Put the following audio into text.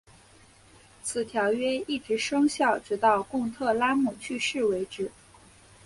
此条约一直生效直到贡特拉姆去世为止。